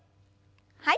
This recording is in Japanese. はい。